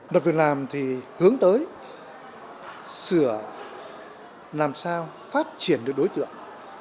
đợt việc làm thì hướng tới sửa làm sao phát triển được đối tượng